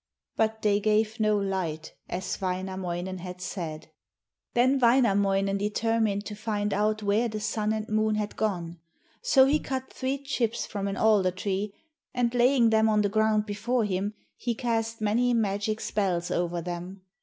But they gave no light, as Wainamoinen had said. Then Wainamoinen determined to find out where the sun and moon had gone. So he cut three chips from an alder tree, and laying them on the ground before him, he cast many magic spells over them.